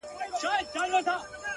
چپ سه چـــپ ســــه نور مــه ژاړه!